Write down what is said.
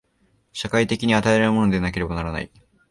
社会的に与えられるものでなければならない。